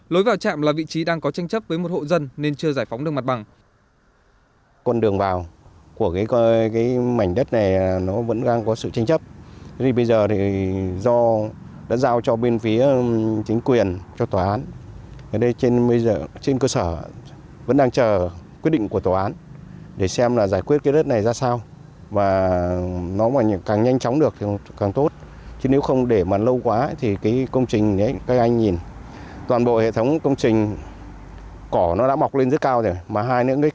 lối vào trạm là vị trí đang có tranh chấp với một hộ dân nên chưa giải phóng được mặt bằng